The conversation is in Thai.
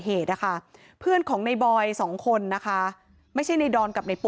เหตุนะคะเพื่อนของในบอยสองคนนะคะไม่ใช่ในดอนกับในปุ